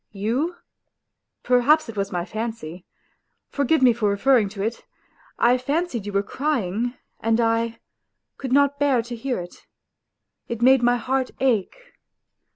You ... perhaps it was my fancy. ... Forgive me for referring to it ; I fancied you were crying, and I ... could not bear to hear it ... it made my heart ache.